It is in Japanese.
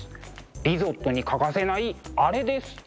リゾットに欠かせないアレです。